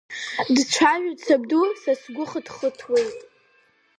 Дцәажәоит сабду, са сгәы хыҭхыҭуеит.